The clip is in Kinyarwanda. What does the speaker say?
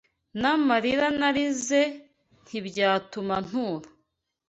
N’amalira nahalize Ntibyatuma ntura